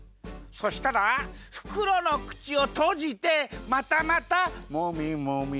そしたらふくろのくちをとじてまたまたもみもみ。